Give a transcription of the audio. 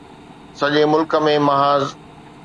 سڄي ملڪ ۾ محاذ